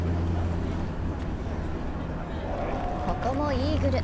ここもイーグル。